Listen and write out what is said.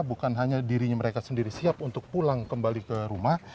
bukan hanya dirinya mereka sendiri siap untuk pulang kembali ke rumah